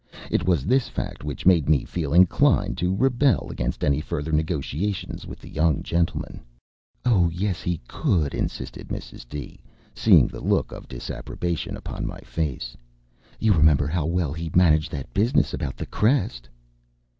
It was this fact which made me feel inclined to rebel against any further negotiations with the young gentleman. "O yes, he could," insisted Mrs. D., seeing the look of disapprobation upon my face. "You remember how well he managed that business about the crest?"